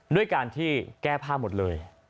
ด้วยการที่แก้ผ้าหมดเลย